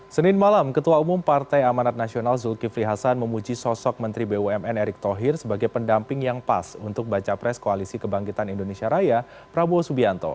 senin malam ketua umum partai amanat nasional zulkifli hasan memuji sosok menteri bumn erick thohir sebagai pendamping yang pas untuk baca pres koalisi kebangkitan indonesia raya prabowo subianto